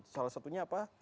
salah satunya apa anissa